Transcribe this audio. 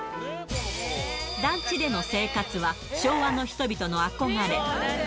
団地での生活は、昭和の人々の憧れ。